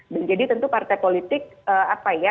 dan jadi tentu partai politik apa ya